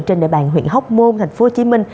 trên đề bàn huyện hóc môn tp hcm